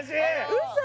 ウソ？